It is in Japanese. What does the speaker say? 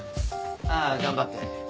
あぁ頑張って。